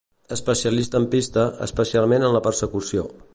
Especialista en pista, especialment en la persecució.